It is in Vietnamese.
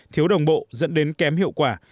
thiếu đồng bộ dẫn đến kém hiệu quả